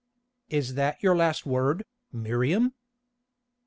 "Is that your last word, Miriam?"